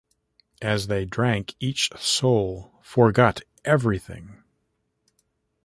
As they drank, each soul forgot everything.